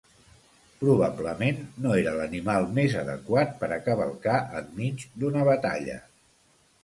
Probablement no era l’animal més adequat per a cavalcar enmig d’una batalla.